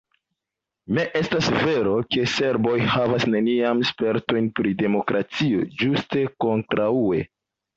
Ne estas vero, ke serboj havas neniajn spertojn pri demokratio, ĝuste kontraŭe.